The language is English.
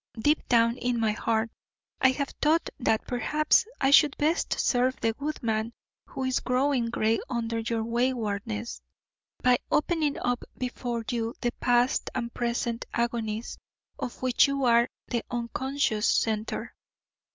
Deep down in my heart I have thought that perhaps I should best serve the good man who is growing grey under your waywardness, by opening up before you the past and present agonies of which you are the unconscious centre.